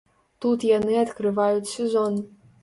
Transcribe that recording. Тут яны адкрываюць сезон.